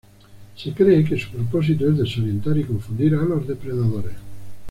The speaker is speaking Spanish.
Se cree que su propósito es desorientar y confundir a los depredadores.